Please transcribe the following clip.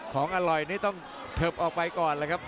ของอร่อยนี่ต้องเผิบออกไปก่อน